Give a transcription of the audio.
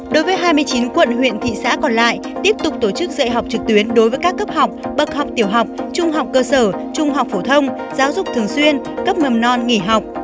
đối với hai mươi chín quận huyện thị xã còn lại tiếp tục tổ chức dạy học trực tuyến đối với các cấp học bậc học tiểu học trung học cơ sở trung học phổ thông giáo dục thường xuyên cấp mầm non nghỉ học